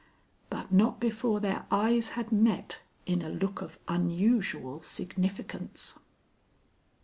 But not before their eyes had met in a look of unusual significance.